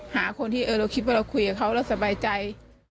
หาคนที่เราคิดว่าเราคุยกับเขาแล้วสบายใจ